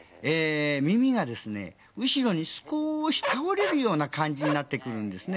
耳がですね、後ろに少し倒れるような感じになってくるんですね。